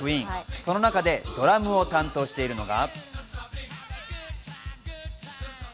その中でドラムを担当しているのが。